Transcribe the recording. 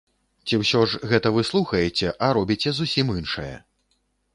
Ці ўсё ж гэта вы слухаеце, а робіце зусім іншае.